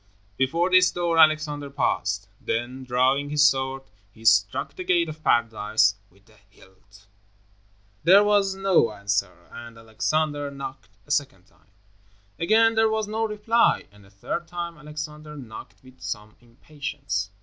Before this door Alexander paused. Then, drawing his sword, he struck the Gate of Paradise with the hilt. There was no answer, and Alexander knocked a second time. Again there was no reply, and a third time Alexander knocked with some impatience.